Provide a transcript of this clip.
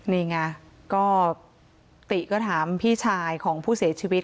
นี่ไงก็ติก็ถามพี่ชายของผู้เสียชีวิต